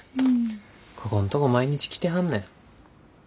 ここんとこ毎日来てはんねん。